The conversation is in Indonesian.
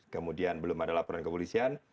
kemudian belum ada laporan kepolisian